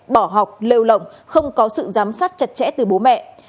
bỏ học lêu lỏng không có sự giám sát chặt chẽ từ bố mẹ